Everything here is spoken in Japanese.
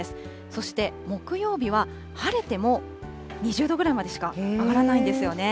そして、木曜日は晴れても２０度ぐらいまでしか上がらないんですよね。